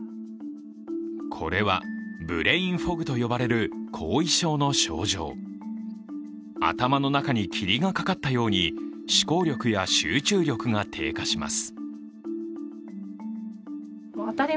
これはブレインフォグと呼ばれる後遺症の症状頭の中に霧がかかったように思考力や集中力が低下します。